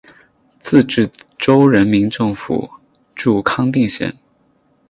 自治州人民政府驻康定县。